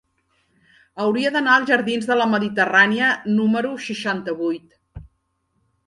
Hauria d'anar als jardins de la Mediterrània número seixanta-vuit.